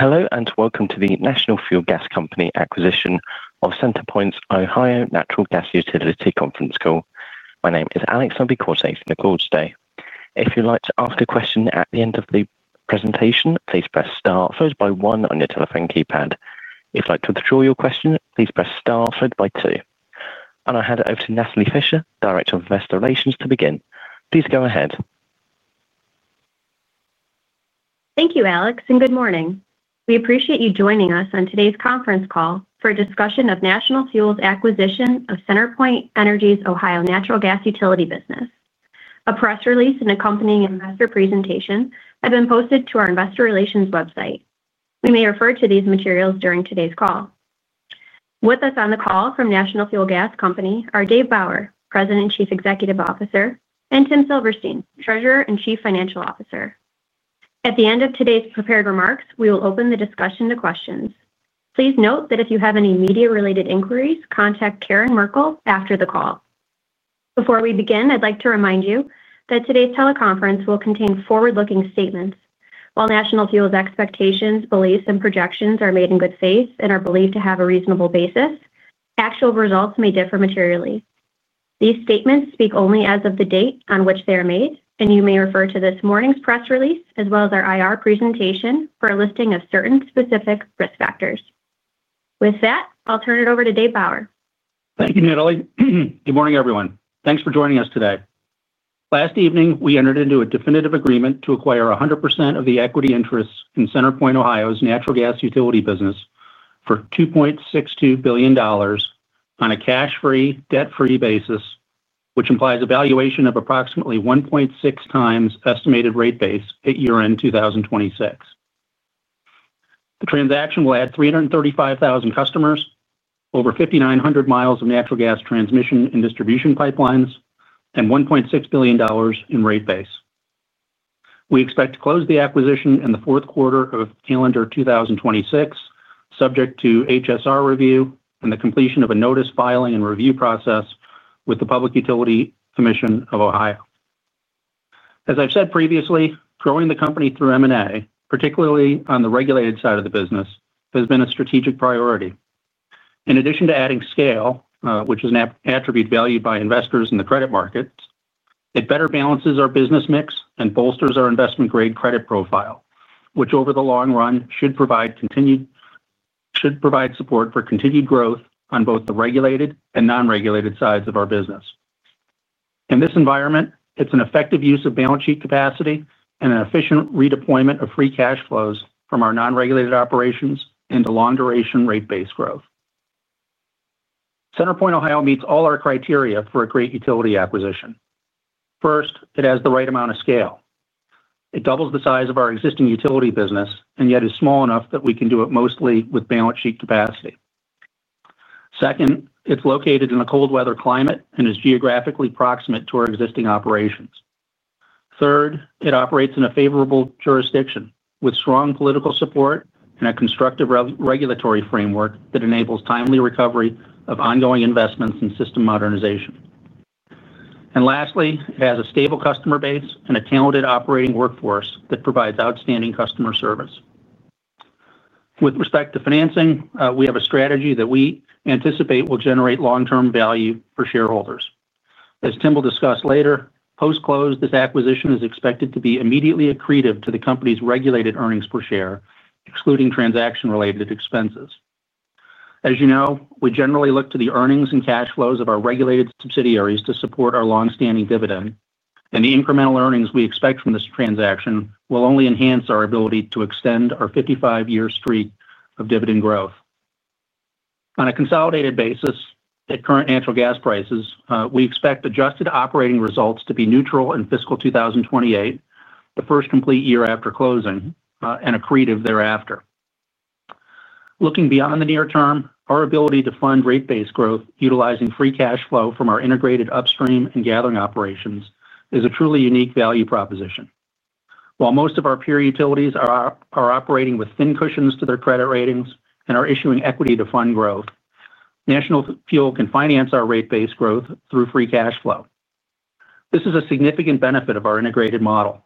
Hello and welcome to the National Fuel Gas Company acquisition of CenterPoint's Ohio Natural Gas Utility business conference call. My name is Alex, and I'll be coordinating the call today. If you'd like to ask a question at the end of the presentation, please press star followed by one on your telephone keypad. If you'd like to withdraw your question, please press star followed by two. I'll now hand it over to Natalie Fischer, Director of Investor Relations, to begin. Please go ahead. Thank you, Alex, and good morning. We appreciate you joining us on today's conference call for a discussion of National Fuel's acquisition of CenterPoint Energy's Ohio Natural Gas Utility business. A press release and accompanying investor presentation have been posted to our Investor Relations website. We may refer to these materials during today's call. With us on the call from National Fuel Gas Company are Dave Bauer, President and Chief Executive Officer, and Tim Silverstein, Treasurer and Chief Financial Officer. At the end of today's prepared remarks, we will open the discussion to questions. Please note that if you have any media-related inquiries, contact Karen Merkel after the call. Before we begin, I'd like to remind you that today's teleconference will contain forward-looking statements. While National Fuel's expectations, beliefs, and projections are made in good faith and are believed to have a reasonable basis, actual results may differ materially. These statements speak only as of the date on which they are made, and you may refer to this morning's press release as well as our IR presentation for a listing of certain specific risk factors. With that, I'll turn it over to Dave Bauer. Thank you, Natalie. Good morning, everyone. Thanks for joining us today. Last evening, we entered into a definitive agreement to acquire 100% of the equity interest in CenterPoint's Ohio Natural Gas Utility business for $2.62 billion on a cash-free, debt-free basis, which implies a valuation of approximately 1.6x estimated rate base at year-end 2026. The transaction will add 335,000 customers, over 5,900 mi of natural gas transmission and distribution pipelines, and $1.6 billion in rate base. We expect to close the acquisition in the fourth quarter of calendar 2026, subject to HSR review and the completion of a notice filing and review process with the Public Utilities Commission of Ohio. As I've said previously, growing the company through M&A, particularly on the regulated side of the business, has been a strategic priority. In addition to adding scale, which is an attribute valued by investors in the credit markets, it better balances our business mix and bolsters our investment-grade credit profile, which over the long run should provide support for continued growth on both the regulated and non-regulated sides of our business. In this environment, it's an effective use of balance sheet capacity and an efficient redeployment of free cash flow from our non-regulated operations into long-duration rate-based growth. CenterPoint Ohio meets all our criteria for a great utility acquisition. First, it has the right amount of scale. It doubles the size of our existing utility business and yet is small enough that we can do it mostly with balance sheet capacity. Second, it's located in a cold-weather climate and is geographically proximate to our existing operations. Third, it operates in a favorable jurisdiction with strong political support and a constructive regulatory framework that enables timely recovery of ongoing investments and system modernization. Lastly, it has a stable customer base and a talented operating workforce that provides outstanding customer service. With respect to financing, we have a strategy that we anticipate will generate long-term value for shareholders. As Tim will discuss later, post-close, this acquisition is expected to be immediately accretive to the company's regulated earnings per share, excluding transaction-related expenses. As you know, we generally look to the earnings and cash flows of our regulated subsidiaries to support our longstanding dividend, and the incremental earnings we expect from this transaction will only enhance our ability to extend our 55-year streak of dividend growth. On a consolidated basis, at current natural gas prices, we expect adjusted operating results to be neutral in fiscal 2028, the first complete year after closing, and accretive thereafter. Looking beyond the near-term, our ability to fund rate-based growth utilizing free cash flow from our integrated upstream and gathering operations is a truly unique value proposition. While most of our peer utilities are operating with thin cushions to their credit ratings and are issuing equity to fund growth, National Fuel can finance our rate-based growth through free cash flow. This is a significant benefit of our integrated model.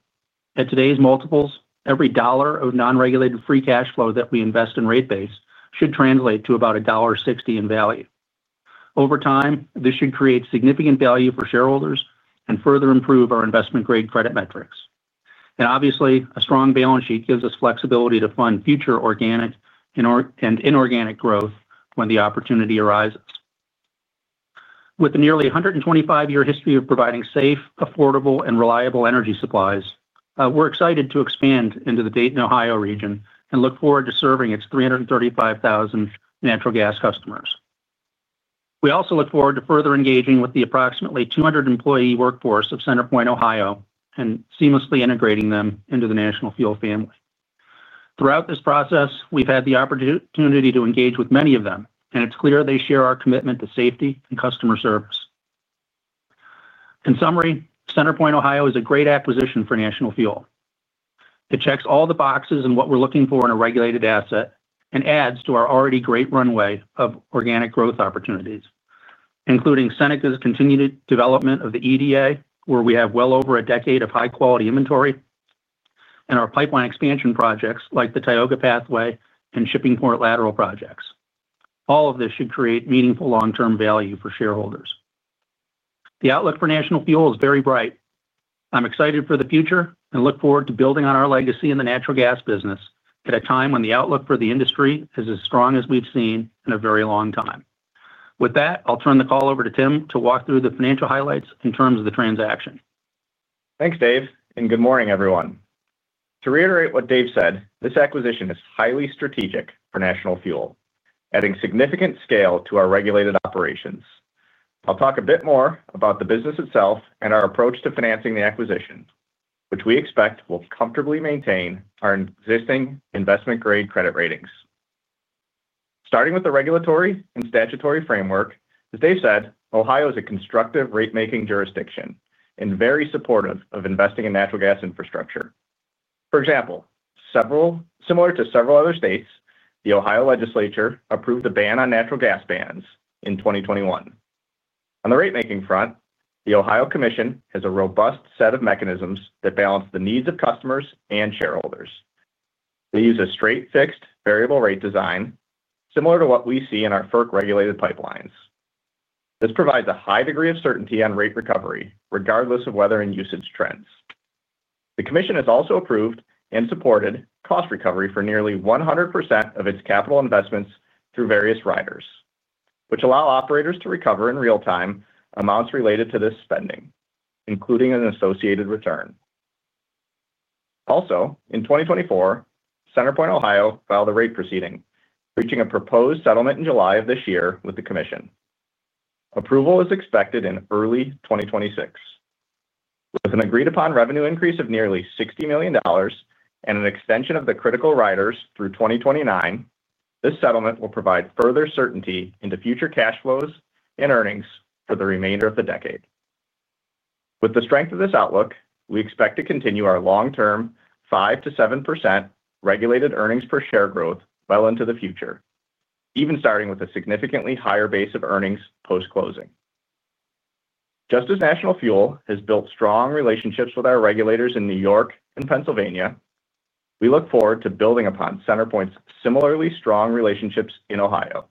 At today's multiples, every dollar of non-regulated free cash flow that we invest in rate base should translate to about $1.60 in value. Over time, this should create significant value for shareholders and further improve our investment-grade credit metrics. Obviously, a strong balance sheet gives us flexibility to fund future organic and inorganic growth when the opportunity arises. With a nearly 125-year history of providing safe, affordable, and reliable energy supplies, we're excited to expand into the Dayton, Ohio region and look forward to serving its 335,000 natural gas customers. We also look forward to further engaging with the approximately 200-employee workforce of CenterPoint Ohio and seamlessly integrating them into the National Fuel family. Throughout this process, we've had the opportunity to engage with many of them, and it's clear they share our commitment to safety and customer service. In summary, CenterPoint Ohio is a great acquisition for National Fuel. It checks all the boxes in what we're looking for in a regulated asset and adds to our already great runway of organic growth opportunities, including Seneca's continued development of the EDA, where we have well over a decade of high-quality inventory, and our pipeline expansion projects like the Tioga Pathway and Shippingport Lateral projects. All of this should create meaningful long-term value for shareholders. The outlook for National Fuel is very bright. I'm excited for the future and look forward to building on our legacy in the natural gas business at a time when the outlook for the industry is as strong as we've seen in a very long time. With that, I'll turn the call over to Tim to walk through the financial highlights in terms of the transaction. Thanks, Dave, and good morning, everyone. To reiterate what Dave said, this acquisition is highly strategic for National Fuel, adding significant scale to our regulated operations. I'll talk a bit more about the business itself and our approach to financing the acquisition, which we expect will comfortably maintain our existing investment-grade credit ratings. Starting with the regulatory and statutory framework, as Dave said, Ohio is a constructive rate-making jurisdiction and very supportive of investing in natural gas infrastructure. For example, similar to several other states, the Ohio legislature approved the ban on natural gas bans in 2021. On the rate-making front, the Ohio Commission has a robust set of mechanisms that balance the needs of customers and shareholders. They use a straight, fixed, variable-rate design, similar to what we see in our FERC-regulated pipelines. This provides a high degree of certainty on rate recovery, regardless of weather and usage trends. The Commission has also approved and supported cost recovery for nearly 100% of its capital investments through various riders, which allow operators to recover in real-time amounts related to this spending, including an associated return. Also, in 2024, CenterPoint Ohio filed a rate proceeding, reaching a proposed settlement in July of this year with the Commission. Approval is expected in early 2026. With an agreed-upon revenue increase of nearly $60 million and an extension of the critical riders through 2029, this settlement will provide further certainty into future cash flows and earnings for the remainder of the decade. With the strength of this outlook, we expect to continue our long-term 5%-7% regulated earnings per share growth well into the future, even starting with a significantly higher base of earnings post-closing. Just as National Fuel has built strong relationships with our regulators in New York and Pennsylvania, we look forward to building upon CenterPoint's similarly strong relationships in Ohio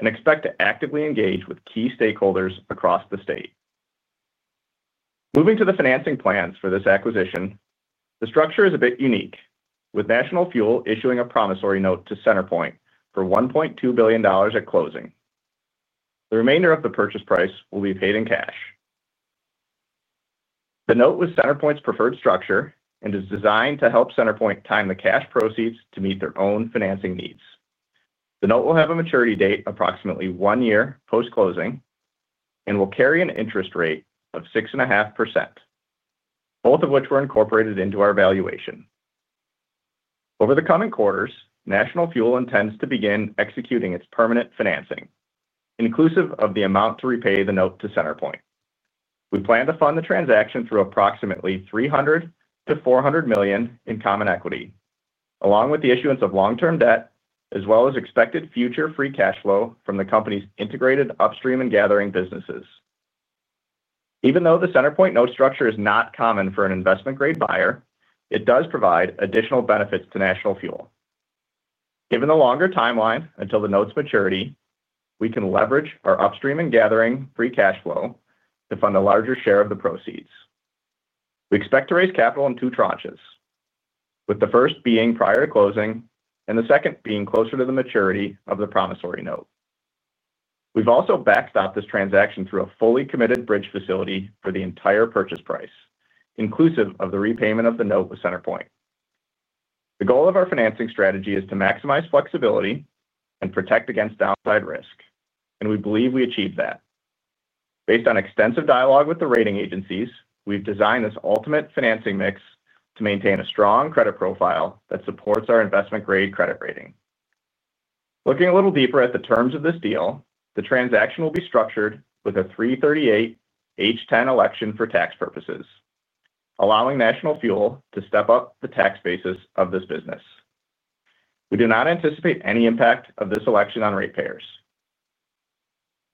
and expect to actively engage with key stakeholders across the state. Moving to the financing plans for this acquisition, the structure is a bit unique, with National Fuel issuing a promissory note to CenterPoint for $1.2 billion at closing. The remainder of the purchase price will be paid in cash. The note was CenterPoint's preferred structure and is designed to help CenterPoint time the cash proceeds to meet their own financing needs. The note will have a maturity date of approximately one year post-closing and will carry an interest rate of 6.5%, both of which were incorporated into our valuation. Over the coming quarters, National Fuel intends to begin executing its permanent financing, inclusive of the amount to repay the note to CenterPoint. We plan to fund the transaction through approximately $300 million-$400 million in common equity, along with the issuance of long-term debt, as well as expected future free cash flow from the company's integrated upstream and gathering businesses. Even though the CenterPoint note structure is not common for an investment-grade buyer, it does provide additional benefits to National Fuel. Given the longer timeline until the note's maturity, we can leverage our upstream and gathering free cash flow to fund a larger share of the proceeds. We expect to raise capital in two tranches, with the first being prior to closing and the second being closer to the maturity of the promissory note. We've also backstopped this transaction through a fully committed bridge facility for the entire purchase price, inclusive of the repayment of the note with CenterPoint. The goal of our financing strategy is to maximize flexibility and protect against downside risk, and we believe we achieved that. Based on extensive dialogue with the rating agencies, we've designed this ultimate financing mix to maintain a strong credit profile that supports our investment-grade credit rating. Looking a little deeper at the terms of this deal, the transaction will be structured with a 338(h)(10) election for tax purposes, allowing National Fuel to step up the tax basis of this business. We do not anticipate any impact of this election on ratepayers.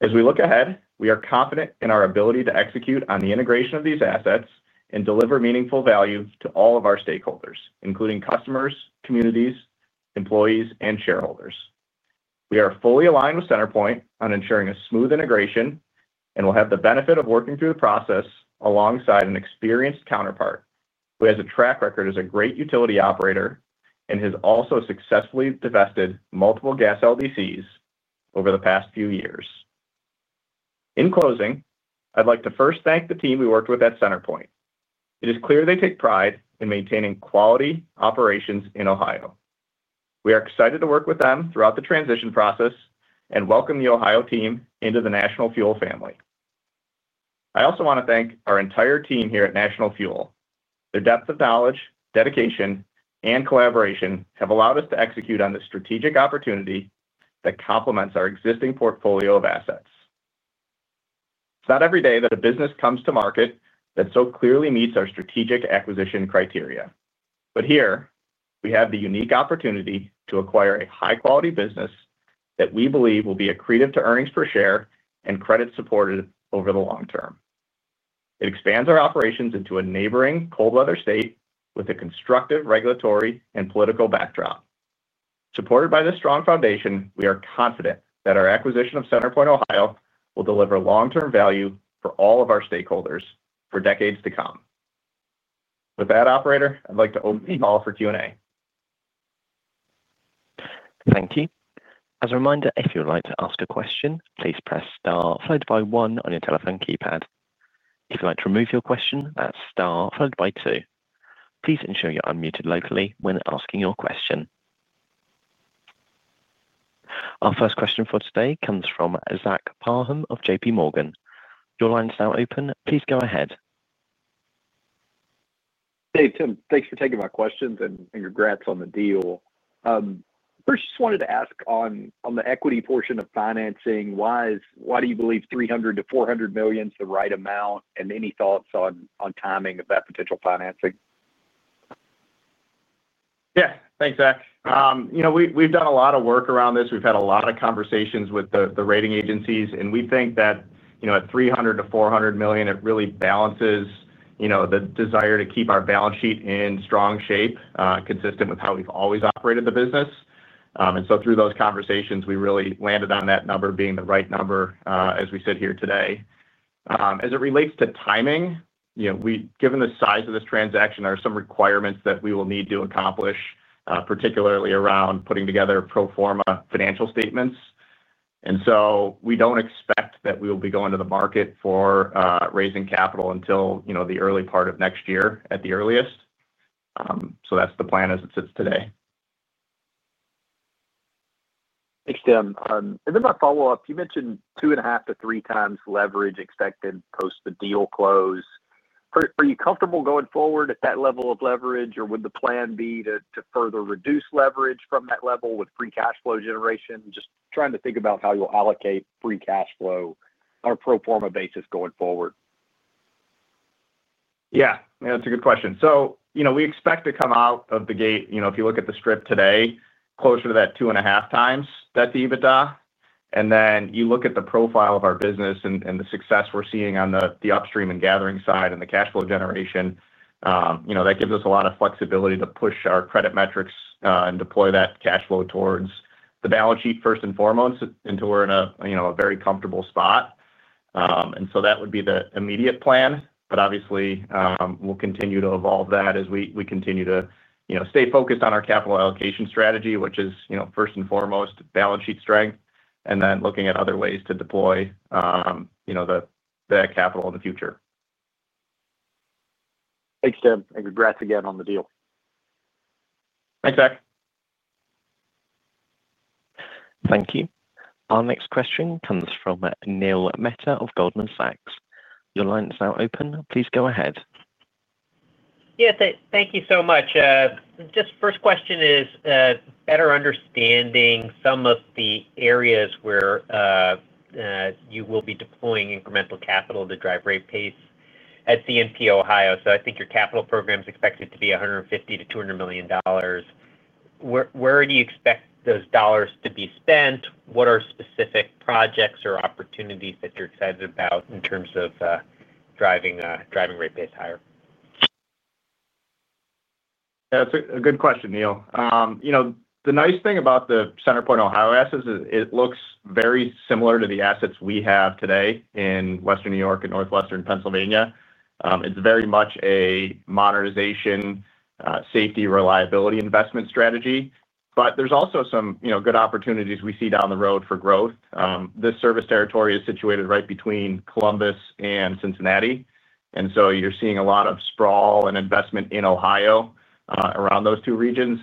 As we look ahead, we are confident in our ability to execute on the integration of these assets and deliver meaningful value to all of our stakeholders, including customers, communities, employees, and shareholders. We are fully aligned with CenterPoint on ensuring a smooth integration and will have the benefit of working through the process alongside an experienced counterpart who has a track record as a great utility operator and has also successfully divested multiple gas LDCs over the past few years. In closing, I'd like to first thank the team we worked with at CenterPoint. It is clear they take pride in maintaining quality operations in Ohio. We are excited to work with them throughout the transition process and welcome the Ohio team into the National Fuel family. I also want to thank our entire team here at National Fuel. Their depth of knowledge, dedication, and collaboration have allowed us to execute on this strategic opportunity that complements our existing portfolio of assets. It's not every day that a business comes to market that so clearly meets our strategic acquisition criteria, but here we have the unique opportunity to acquire a high-quality business that we believe will be accretive to regulated earnings per share and credit supported over the long-term. It expands our operations into a neighboring cold-weather state with a constructive regulatory and political backdrop. Supported by this strong foundation, we are confident that our acquisition of the CenterPoint Ohio will deliver long-term value for all of our stakeholders for decades to come. With that, operator, I'd like to open the call for Q&A. Thank you. As a reminder, if you would like to ask a question, please press star followed by one on your telephone keypad. If you'd like to remove your question, that's star followed by two. Please ensure you're unmuted locally when asking your question. Our first question for today comes from Zach Parham of JPMorgan. Your line's now open. Please go ahead. Hey, Tim. Thanks for taking my questions and congrats on the deal. First, I just wanted to ask on the equity portion of financing, why do you believe $300 million-$400 million is the right amount, and any thoughts on timing of that potential financing? Thanks, Zach. We've done a lot of work around this. We've had a lot of conversations with the rating agencies, and we think that at $300 million-$400 million, it really balances the desire to keep our balance sheet in strong shape, consistent with how we've always operated the business. Through those conversations, we really landed on that number being the right number as we sit here today. As it relates to timing, given the size of this transaction, there are some requirements that we will need to accomplish, particularly around putting together pro forma financial statements. We don't expect that we will be going to the market for raising capital until the early part of next year at the earliest. That's the plan as it sits today. Thanks, Tim. My follow-up, you mentioned 2.5x-3x leverage expected post the deal close. Are you comfortable going forward at that level of leverage, or would the plan be to further reduce leverage from that level with free cash flow generation? I'm just trying to think about how you'll allocate free cash flow on a pro forma basis going forward. Yeah, that's a good question. We expect to come out of the gate, if you look at the script today, closer to that 2.5x EBITDA. If you look at the profile of our business and the success we're seeing on the upstream and gathering side and the cash flow generation, that gives us a lot of flexibility to push our credit metrics and deploy that cash flow towards the balance sheet first and foremost until we're in a very comfortable spot. That would be the immediate plan. Obviously, we'll continue to evolve that as we continue to stay focused on our capital allocation strategy, which is, first and foremost, balance sheet strength, and then looking at other ways to deploy the capital in the future. Thanks, Tim. Congrats again on the deal. Thanks, Zach. Thank you. Our next question comes from Neil Mehta of Goldman Sachs. Your line's now open. Please go ahead. Thank you so much. First question is better understanding some of the areas where you will be deploying incremental capital to drive rate base at [CenterPoint] Ohio. I think your capital program is expected to be $150 million-$200 million. Where do you expect those dollars to be spent? What are specific projects or opportunities that you're excited about in terms of driving rate base higher? That's a good question, Neil. You know, the nice thing about the CenterPoint Ohio assets is it looks very similar to the assets we have today in Western New York and Northwestern Pennsylvania. It's very much a modernization, safety, reliability investment strategy. There's also some good opportunities we see down the road for growth. This service territory is situated right between Columbus and Cincinnati. You're seeing a lot of sprawl and investment in Ohio around those two regions.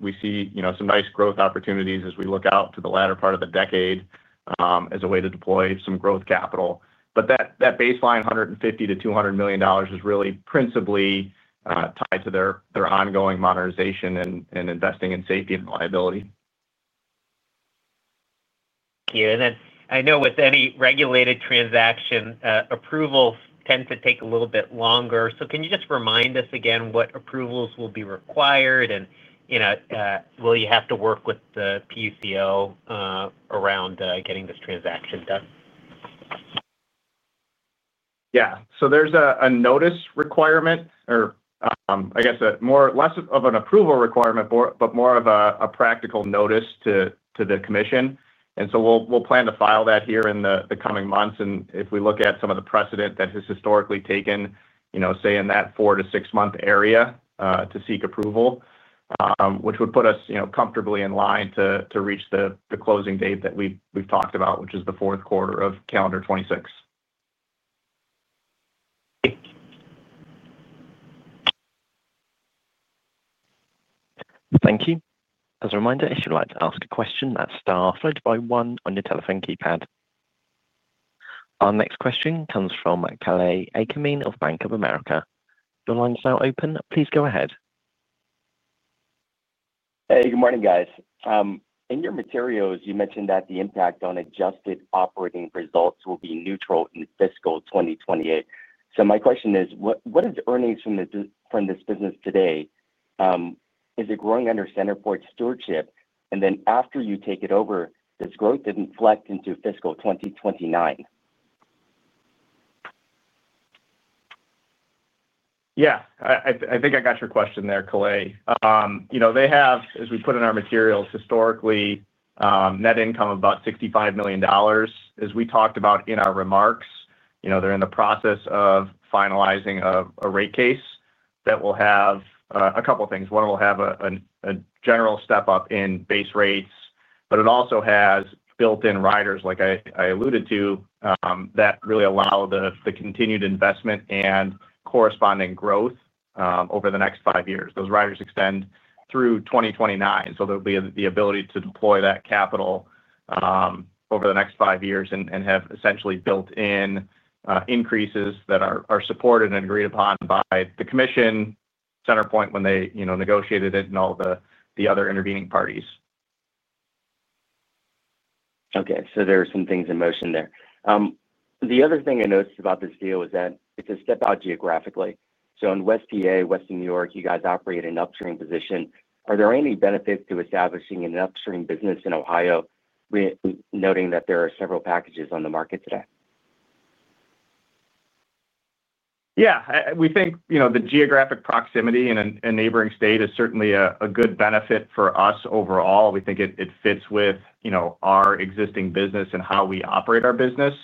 We see some nice growth opportunities as we look out to the latter part of the decade as a way to deploy some growth capital. That baseline $150 million-$200 million is really principally tied to their ongoing modernization and investing in safety and reliability. I know with any regulated transaction, approvals tend to take a little bit longer. Can you just remind us again what approvals will be required, and will you have to work with the PUCO around getting this transaction done? Yeah. There's a notice requirement, or I guess less of an approval requirement, but more of a practical notice to the Commission. We'll plan to file that here in the coming months. If we look at some of the precedent, that has historically taken, you know, say in that four to six-month area to seek approval, which would put us comfortably in line to reach the closing date that we've talked about, which is the fourth quarter of calendar 2026. Thank you. As a reminder, if you'd like to ask a question, that's star followed by one on your telephone keypad. Our next question comes from Kalei Akamine of Bank of America. Your line's now open. Please go ahead. Hey, good morning, guys. In your materials, you mentioned that the impact on adjusted operating results will be neutral in fiscal 2028. My question is, what is earnings from this business today? Is it growing under CenterPoint's stewardship? After you take it over, does growth inflect into fiscal 2029? Yeah. I think I got your question there, Kalei. They have, as we put in our materials, historically, net income of about $65 million. As we talked about in our remarks, they're in the process of finalizing a rate case that will have a couple of things. One, it will have a general step up in base rates, but it also has built-in riders, like I alluded to, that really allow the continued investment and corresponding growth over the next five years. Those riders extend through 2029. There will be the ability to deploy that capital over the next five years and have essentially built-in increases that are supported and agreed upon by the Commission, CenterPoint when they negotiated it, and all the other intervening parties. There are some things in motion there. The other thing I noticed about this deal is that it's a step out geographically. In [Northwestern Pennsylvania] and Western New York, you guys operate in an upstream position. Are there any benefits to establishing an upstream business in Ohio, noting that there are several packages on the market today? Yeah. We think the geographic proximity in a neighboring state is certainly a good benefit for us overall. We think it fits with our existing business and how we operate our business.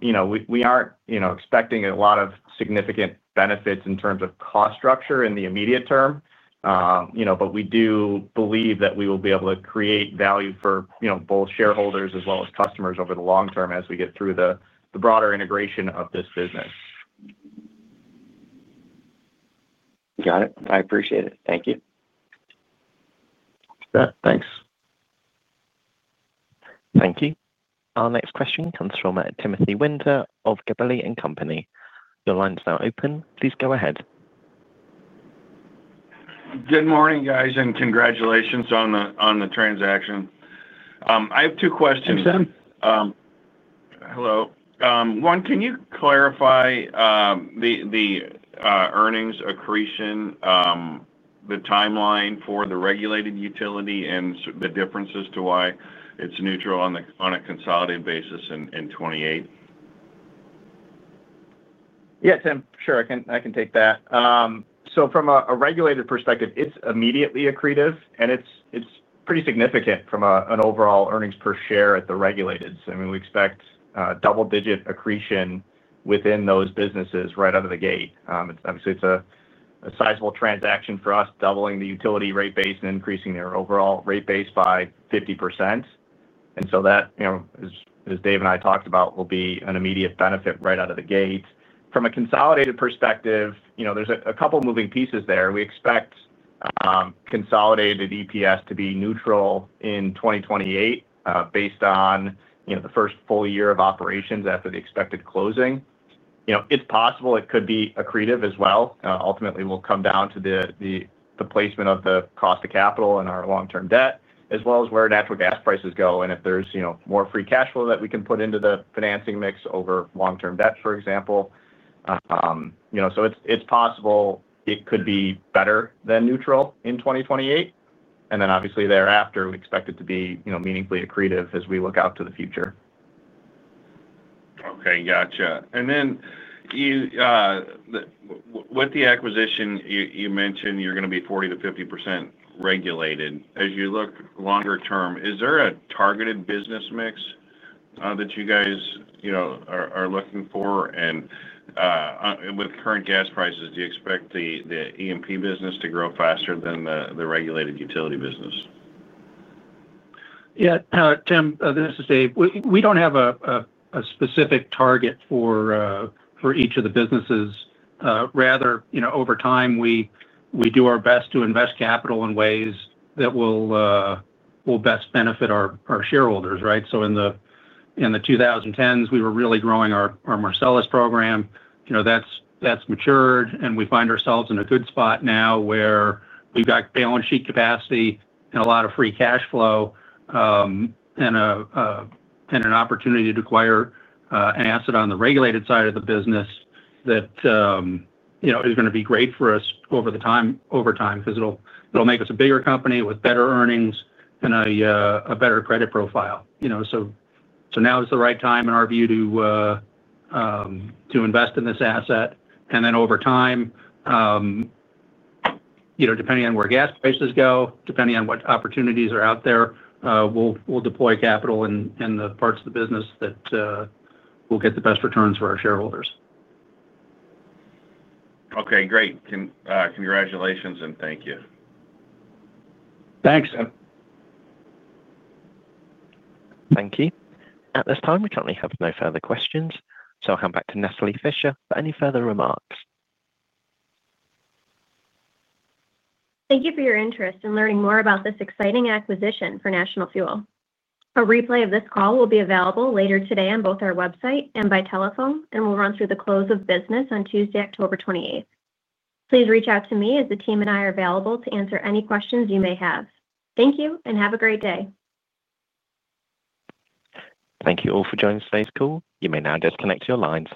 We aren't expecting a lot of significant benefits in terms of cost structure in the immediate term, but we do believe that we will be able to create value for both shareholders as well as customers over the long-term as we get through the broader integration of this business. Got it. I appreciate it. Thank you. Thanks. Thank you. Our next question comes from Timothy Winter of Gabelli & Company. Your line's now open. Please go ahead. Good morning, guys, and congratulations on the transaction. I have two questions. Thanks, Tim. Hello. One, can you clarify the earnings accretion, the timeline for the regulated utility, and the differences to why it's neutral on a consolidated basis in 2028? Yeah, Tim. Sure, I can take that. From a regulated perspective, it's immediately accretive, and it's pretty significant from an overall earnings per share at the regulated. We expect double-digit accretion within those businesses right out of the gate. Obviously, it's a sizable transaction for us, doubling the utility rate base and increasing their overall rate base by 50%. That, as Dave and I talked about, will be an immediate benefit right out of the gate. From a consolidated perspective, there are a couple of moving pieces there. We expect consolidated EPS to be neutral in 2028 based on the first full year of operations after the expected closing. It's possible it could be accretive as well. Ultimately, it will come down to the placement of the cost of capital and our long-term debt, as well as where natural gas prices go, and if there's more free cash flow that we can put into the financing mix over long-term debt, for example. It's possible it could be better than neutral in 2028. Thereafter, we expect it to be meaningfully accretive as we look out to the future. Okay. Gotcha. With the acquisition, you mentioned you're going to be 40%-50% regulated. As you look longer term, is there a targeted business mix that you guys are looking for? With current gas prices, do you expect the E&P business to grow faster than the regulated utility business? Yeah. Tim, this is Dave. We don't have a specific target for each of the businesses. Rather, over time, we do our best to invest capital in ways that will best benefit our shareholders, right? In the 2010s, we were really growing our Marcellus program. That's matured, and we find ourselves in a good spot now where we've got balance sheet capacity and a lot of free cash flow and an opportunity to acquire an asset on the regulated side of the business that is going to be great for us over time, because it'll make us a bigger company with better earnings and a better credit profile. Now is the right time in our view to invest in this asset. Over time, depending on where gas prices go, depending on what opportunities are out there, we'll deploy capital in the parts of the business that will get the best returns for our shareholders. Okay. Great. Congratulations and thank you. Thanks. Thank you. At this time, we currently have no further questions, so I'll hand back to Natalie Fischer for any further remarks. Thank you for your interest in learning more about this exciting acquisition for National Fuel. A replay of this call will be available later today on both our website and by telephone, and will run through the close of business on Tuesday, October 28. Please reach out to me as the team and I are available to answer any questions you may have. Thank you and have a great day. Thank you all for joining today's call. You may now disconnect your lines.